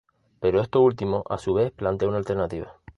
Pero esto último, a su vez, plantea una alternativa.